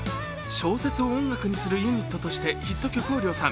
小説を音楽にするユニットとしてヒット曲を量産。